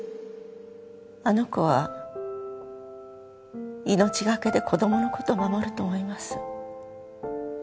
あの子は命懸けで子供の事を守ると思います。